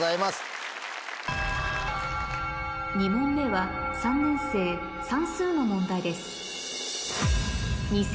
２問目は３年生算数の問題です